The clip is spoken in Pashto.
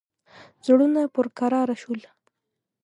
زړونه پر کراره شول.